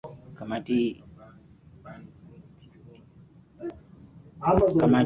kamati hii inapitia sera za fedha